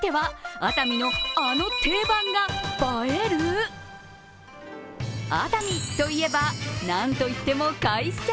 熱海といえば、なんと言っても海鮮。